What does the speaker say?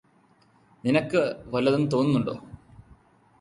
നിനക്ക് വല്ലതും തോന്നുന്നുണ്ടോ